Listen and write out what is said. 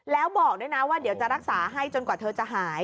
แล้วบอกด้วยนะว่าเดี๋ยวจะรักษาให้จนกว่าเธอจะหาย